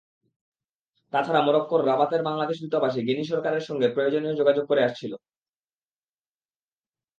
তাছাড়া মরক্কোর রাবাতের বাংলাদেশ দূতাবাস গিনি সরকারের সঙ্গে প্রয়োজনীয় যোগাযোগ করে আসছিল।